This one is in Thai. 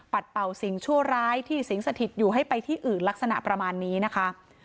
เป่าสิ่งชั่วร้ายที่สิงสถิตอยู่ให้ไปที่อื่นลักษณะประมาณนี้นะคะ